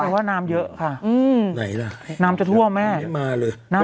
แต่ว่าน้ำเยอะค่ะน้ำจะท่วมไหม